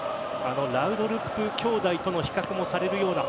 あのラウドルップ兄弟との比較もされるような